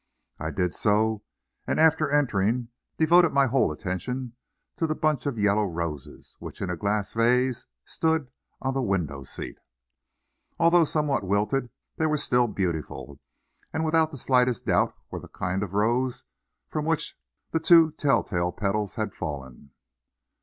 I did so, and after entering devoted my whole attention to the bunch of yellow roses, which in a glass vase stood on the window seat. Although somewhat wilted, they were still beautiful, and without the slightest doubt were the kind of rose from which the two tell tale petals had fallen.